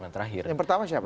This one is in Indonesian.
terakhir yang pertama siapa ya